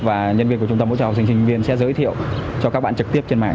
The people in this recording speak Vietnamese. và nhân viên của trung tâm ủng hộ cho học sinh viên sẽ giới thiệu cho các bạn trực tiếp trên mạng